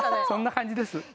そんな感じです。